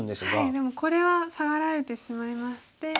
でもこれはサガられてしまいまして。